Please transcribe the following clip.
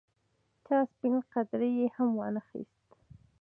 چا سپڼ قدرې هم وانه اخیست.